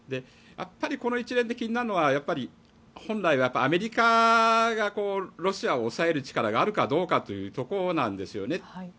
やっぱりこの一連で気になるのは本来、アメリカがロシアを抑える力があるかどうかというところなんですね。